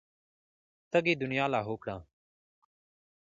تږې دنيا لاهو کړه.